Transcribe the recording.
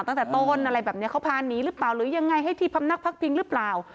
ตั้งแต่ต้นอะไรแบบนี้เขาพาหนีหรือเปล่าหรือยังไงให้ที่พำนักพักพิงหรือเปล่า